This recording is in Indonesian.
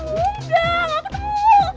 udah gak ketemu